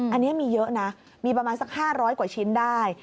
อันนี้มีเยอะนะมีประมาณสัก๕๐๐กว่าชิ้นได้